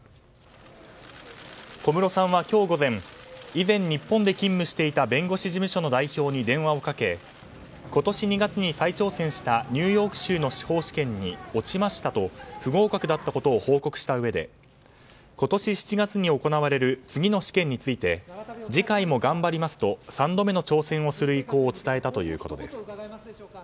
小室さんは今日午前以前、日本で勤務していた弁護士事務所の代表に電話をかけ今年２月に再挑戦したニューヨーク州の司法試験に落ちましたと不合格だったことを報告したうえで今年７月に行われる次の試験について次回も頑張りますと３度目の挑戦をする意向を伝えたということです。